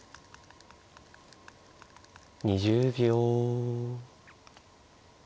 ２０秒。